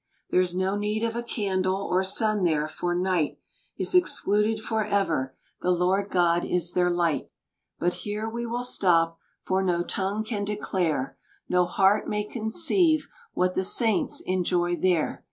There's no need of a candle or sun there, for night Is excluded forever the Lord God is their light. But here we will stop, for no tongue can declare, No heart may conceive what the Saints enjoy there.